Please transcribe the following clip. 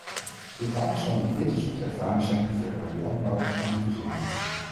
Dit alles zal een bitterzoete ervaring zijn voor de landbouwers en hun gezinnen.